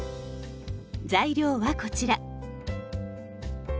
材料はこちら。